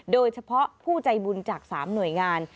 โดยเฉพาะผู้ใจบุญจาก๓หน่วยงาน